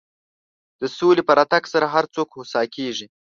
د سولې په راتګ سره هر څوک هوسا کېږي.